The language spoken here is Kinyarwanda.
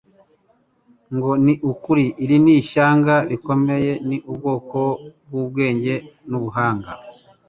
ngo: "Ni ukuri iri shyanga rikomeye ni ubwoko bw'ubwenge n'ubuhanga"